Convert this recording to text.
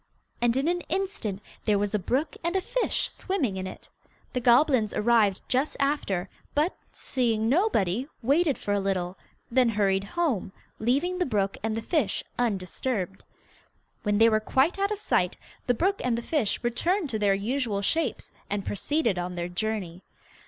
And in an instant there was a brook with a fish swimming in it. The goblins arrived just after, but, seeing nobody, waited for a little, then hurried home, leaving the brook and the fish undisturbed. When they were quite out of sight, the brook and the fish returned to their usual shapes and proceeded on their journey.